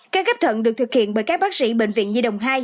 các gấp thận được thực hiện bởi các bác sĩ bệnh viện nhi đồng hai